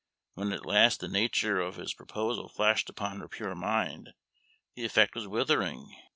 When at last the nature of his proposal flashed upon her pure mind, the effect was withering.